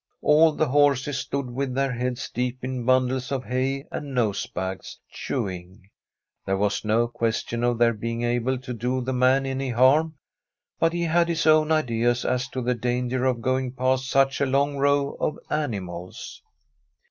All the horses stood with their heads deep in bundles of hay and nosebag, chewing. There was no question of their being able to do the man any harm, but he had his own ideas as to the danger of going past such a long row of animals.